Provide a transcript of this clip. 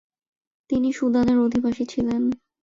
তিনি সুদানের অধিবাসী ছিলেন।